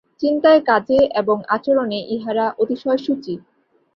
চিন্তায় কাজে এবং আচরণে ইঁহারা অতিশয় শুচি।